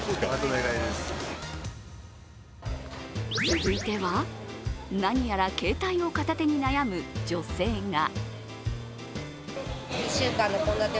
続いては、何やら携帯を片手に悩む女性が。